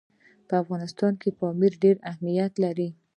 په افغانستان کې پامیر ډېر اهمیت لري.